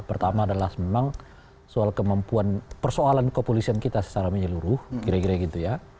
pertama adalah memang soal kemampuan persoalan kepolisian kita secara menyeluruh kira kira gitu ya